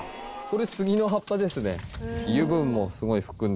これ杉の葉っぱですね。